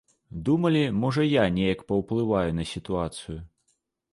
Думалі, можа я неяк паўплываю на сітуацыю.